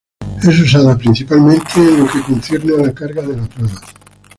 Es usada, principalmente, en lo que concierne a la carga de la prueba.